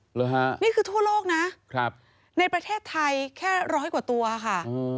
เหรอฮะนี่คือทั่วโลกนะครับในประเทศไทยแค่ร้อยกว่าตัวค่ะ